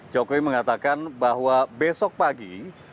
jokowi mengatakan bahwa besok pagi